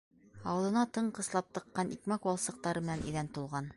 Ауыҙына тыңҡыслап тыҡҡан икмәк валсыҡтары менән иҙән тулған.